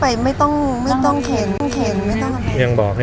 ภาษาสนิทยาลัยสุดท้าย